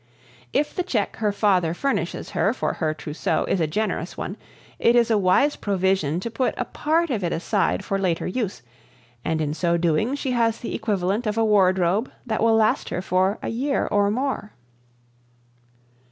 If the check her father furnishes her for her trousseau is a generous one it is a wise provision to put a part of it aside for later use, and in so doing she has the equivalent of a wardrobe that will last her for a year or more.